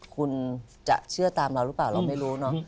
คุณจะเชื่อตามเราหรือเปล่าเราไม่รู้เนอะ